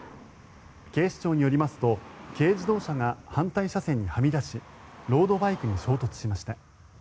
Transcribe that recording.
警視庁によりますと軽自動車が反対車線にはみ出しロードバイクに衝突しました。